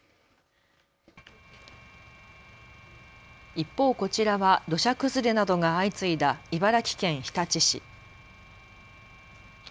一方、こちらは土砂崩れなどが相次いだ茨城県日立市。